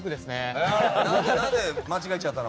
何で間違えちゃったの？